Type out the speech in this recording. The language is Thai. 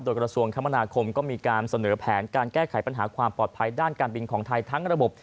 โดยกระทรวงคมนาคมก็มีการเสนอแผนการแก้ไขปัญหาความปลอดภัยด้านการบินของไทยทั้งระบบ